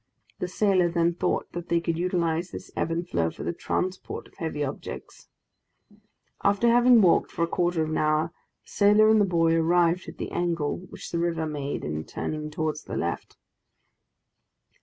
The sailor then thought that they could utilize this ebb and flow for the transport of heavy objects. After having walked for a quarter of an hour, the sailor and the boy arrived at the angle which the river made in turning towards the left.